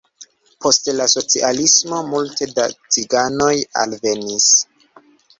Post la socialismo multe da ciganoj alvenis.